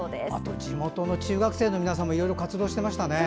地元の中学生の皆さんもいろいろ活動していましたね。